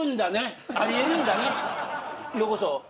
ようこそ。